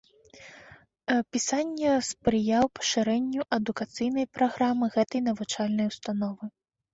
Пісання спрыяў пашырэнню адукацыйнай праграмы гэтай навучальнай установы.